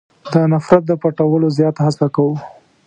د نفرت تر پټولو زیاته هڅه کوو.